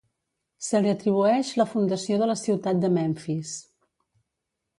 Se li atribueix la fundació de la ciutat de Memfis.